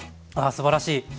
すばらしい。